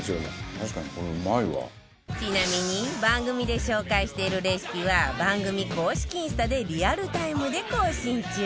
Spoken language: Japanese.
ちなみに番組で紹介しているレシピは番組公式インスタでリアルタイムで更新中